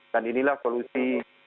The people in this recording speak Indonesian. dan inilah solusi